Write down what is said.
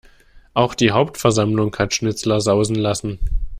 Auch die Hauptversammlung hat Schnitzler sausen lassen.